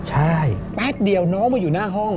ใช่แป๊บเดียวน้องมาอยู่หน้าห้อง